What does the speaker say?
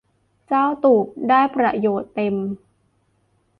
เจ้าตูบได้ประโยชน์เต็ม